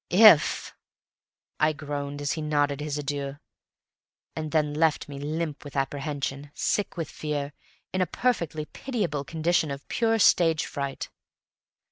"If!" I groaned as he nodded his adieu; and he left me limp with apprehension, sick with fear, in a perfectly pitiable condition of pure stage fright.